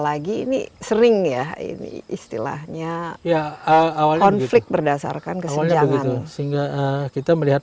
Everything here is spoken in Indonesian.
lagi ini sering ya ini istilahnya konflik berdasarkan kesenjangan sehingga kita melihat